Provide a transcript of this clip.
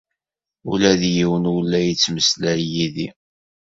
Ula d yiwen ur la yettmeslay yid-i.